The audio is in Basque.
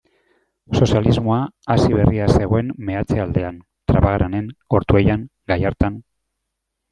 Sozialismoa hasi berria zegoen meatze-aldean, Trapagaranen, Ortuellan, Gallartan.